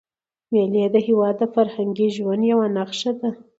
مېلې د هېواد د فرهنګي ژوند یوه نخښه ده.